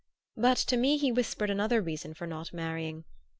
But to me he whispered another reason for not marrying.